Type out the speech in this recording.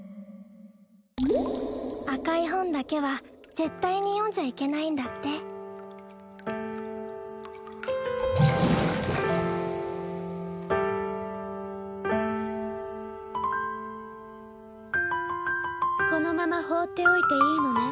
赤い本だけは絶対に読んじゃいけないんだってこのまま放っておいていいのね？